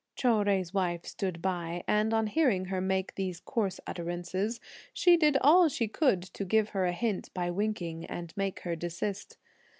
Chou Jui's wife stood by, and on hearing her make these coarse utterances, she did all she could to give her a hint by winking, and make her desist.